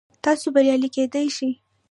تاسو بریالي کیدی شئ